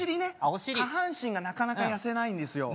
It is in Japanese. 下半身がなかなか痩せないんですよ